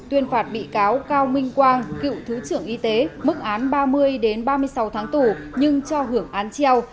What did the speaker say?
tuyên phạt bị cáo cao minh quang cựu thứ trưởng y tế mức án ba mươi ba mươi sáu tháng tù nhưng cho hưởng án treo